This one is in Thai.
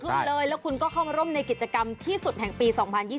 เลยแล้วคุณก็เข้าร่มในกิจกรรมที่สุดแห่งปี๒๐๒๐